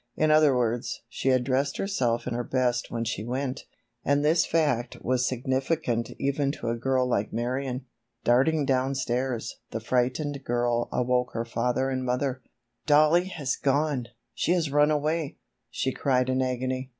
In other words, she had dressed herself in her best when she went, and this fact was significant even to a girl like Marion. Darting downstairs, the frightened girl awoke her father and mother. "Dollie has gone! She has run away!" she cried in agony.